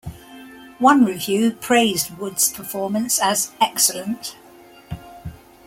One review praised Wood's performance as "excellent".